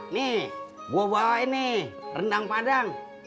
nih gua bawain nih rendang padang